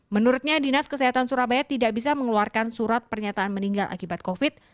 menurutnya dinas kesehatan surabaya tidak bisa mengeluarkan surat pernyataan meninggal akibat covid